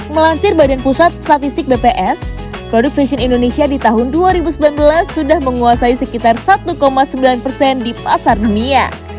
melansir badan pusat statistik bps produk fashion indonesia di tahun dua ribu sembilan belas sudah menguasai sekitar satu sembilan persen di pasar dunia